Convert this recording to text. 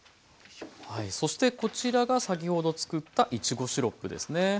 そしてこちらが先ほどつくったいちごシロップですね。